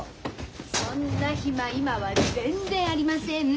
そんな暇今は全然ありません。